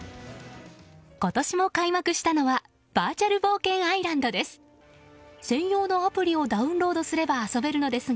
今年も開幕したのはバーチャル冒険アイランドです。